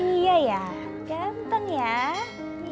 iya ya ganteng ya iya bi